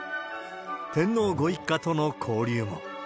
天皇ご一家との交流も。